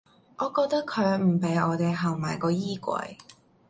我覺得佢唔畀我地行埋個衣櫃